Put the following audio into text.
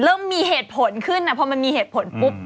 เริ่มมีเหตุผลขึ้นพอมันมีเหตุผลปุ๊บ